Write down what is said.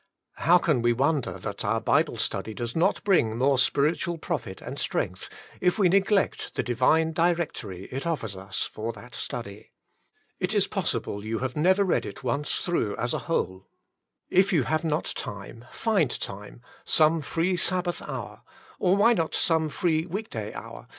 How can we wonder that our Bible study does not bring more spiritual profit and strength, if we neglect the Divine Directory it offers us for that study. It is possible you have never read it once through as a whole. If you have not time, find time, some free Sabbath hour — or why not some free week day hour